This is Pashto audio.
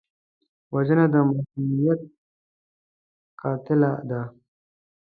وژنه د معصومیت قاتله ده